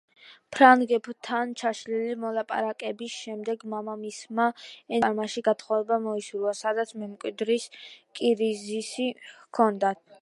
ფრანგებთან ჩაშლილი მოლაპარაკებების შემდეგ, მამამისმა ენრიკეტას მეზობელ პარმაში გათხოვება მოისურვა, სადაც მემკვიდრის კრიზისი ჰქონდათ.